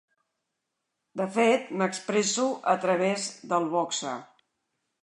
De fet, m'expresso a través del boxa.